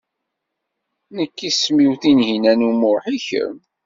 Nekk isem-iw Tinhinan u Muḥ, i kemm?